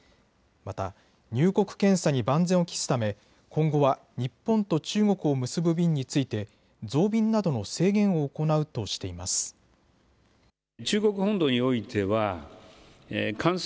また入国検査に万全を期すため今後は日本と中国を結ぶ便について増便などの制限を行うとしています。